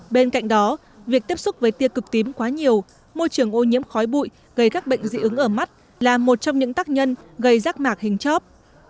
bên cạnh đó việc tiếp xúc với tiêu cực tím quá nhiều môi trường ô nhiễm khói bụi gây các bệnh dị ứng ở mắt là một trong những tác nhân gây giác mạc hình chóp